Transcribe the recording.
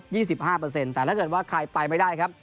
ี่สิบห้าเปอร์เซ็นต์แต่ถ้าเกิดว่าใครไปไม่ได้ครับ